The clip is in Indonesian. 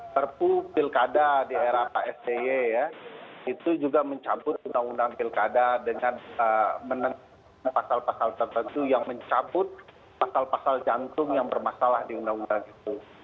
perpu pilkada di era pak sby ya itu juga mencabut undang undang pilkada dengan menentukan pasal pasal tertentu yang mencabut pasal pasal jantung yang bermasalah di undang undang itu